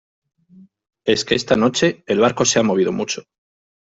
es que esta noche el barco se ha movido mucho.